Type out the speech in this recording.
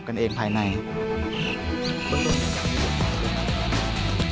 มันกลัวเอิญอย่างนี้นะครับ